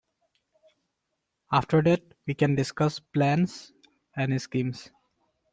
After that we can discuss plans and schemes.